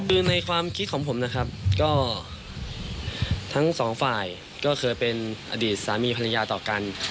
คือในความคิดของผมนะครับก็ทั้งสองฝ่ายก็เคยเป็นอดีตสามีภรรยาต่อกัน